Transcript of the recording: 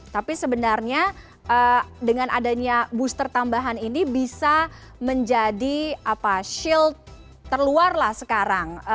tapi sebenarnya dengan adanya booster tambahan ini bisa menjadi shield terluar lah sekarang